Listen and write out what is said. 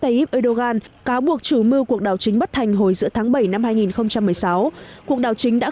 tayyip erdogan cáo buộc chủ mưu cuộc đảo chính bất thành hồi giữa tháng bảy năm hai nghìn một mươi sáu cuộc đảo chính đã